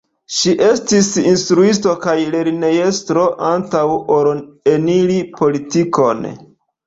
Ŝi estis instruisto kaj lernejestro antaŭ ol eniri politikon.